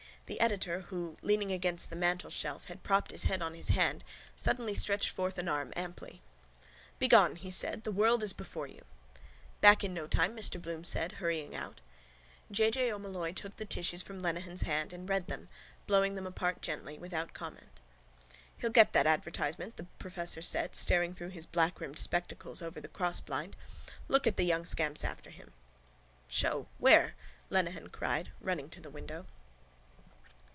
The editor who, leaning against the mantelshelf, had propped his head on his hand, suddenly stretched forth an arm amply. —Begone! he said. The world is before you. —Back in no time, Mr Bloom said, hurrying out. J. J. O'Molloy took the tissues from Lenehan's hand and read them, blowing them apart gently, without comment. —He'll get that advertisement, the professor said, staring through his blackrimmed spectacles over the crossblind. Look at the young scamps after him. —Show. Where? Lenehan cried, running to the window.